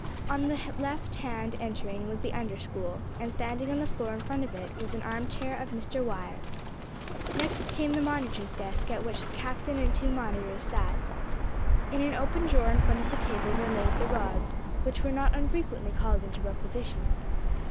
On the left hand on entering was the Under School, and, standing on the floor in front of it, was the arm chair of Mr. Wire. Next came the monitor's desk, at which the captain and two monitors sat. In an open drawer in front of the table were laid the rods, which were not unfrequently called into requisition.